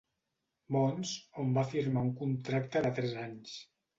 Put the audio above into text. Mons, on va firmar un contracte de tres anys.